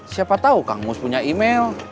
siapa tahu kang mus punya email